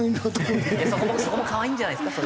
そこもかわいいんじゃないですか？